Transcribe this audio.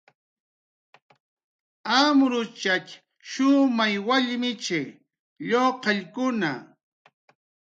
Amruchatx shumay wallmichi, lluqallkuna